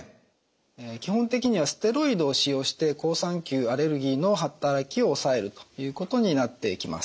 基本的にはステロイドを使用して好酸球アレルギーの働きを抑えるということになっていきます。